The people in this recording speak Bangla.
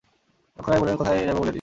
নক্ষত্ররায় বলিলেন, কোথায় যাইব বলিয়া দিন।